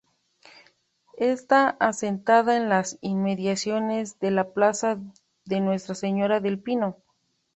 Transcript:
Está asentada en las inmediaciones de la Plaza de Nuestra Señora del Pino.